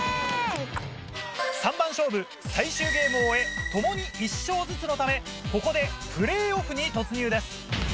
３番勝負最終ゲームを終え共に１勝ずつのためここでプレーオフに突入です。